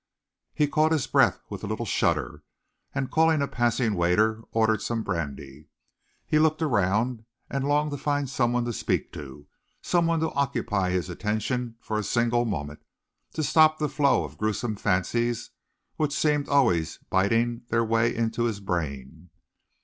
He caught his breath with a little shudder, and calling a passing waiter, ordered some brandy. He looked around and longed to find someone to speak to, someone to occupy his attention for a single moment, to stop the flow of gruesome fancies which seemed always biting their way into his brain.